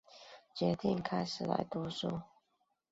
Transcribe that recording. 决定开始来读书